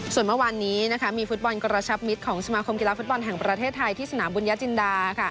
ส่วนเมื่อวานนี้มีฟุตบอลกระชับมิตรของสมาคมกีฬาฟุตบอลแห่งประเทศไทยที่สนามบุญญาจินดา